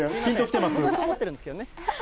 いえいえ、そう思ってるんですけどね。